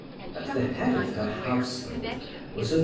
At the head of her household was a M.